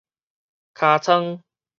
尻川